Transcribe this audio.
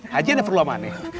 haji ada berulang mana